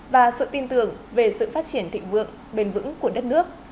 và sự tin tưởng về sự phát triển thịnh vượng bền vững của đất nước